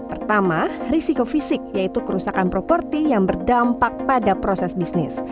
pertama risiko fisik yaitu kerusakan properti yang berdampak pada proses bisnis